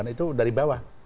itu dari bawah